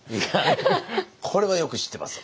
これはよく知ってます。